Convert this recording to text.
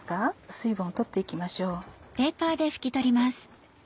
水分を取っていきましょう。